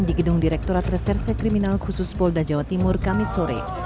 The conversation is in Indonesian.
di gedung direkturat reserse kriminal khusus polda jawa timur kamis sore